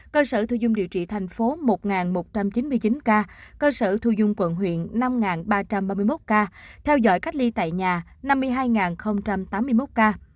cơ sở thu dung điều trị thành phố một một trăm chín mươi chín ca cơ sở thu dung quận huyện năm ba trăm ba mươi một ca theo dõi cách ly tại nhà năm mươi hai tám mươi một ca